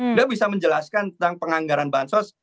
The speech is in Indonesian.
beliau bisa menjelaskan tentang penganggaran bansos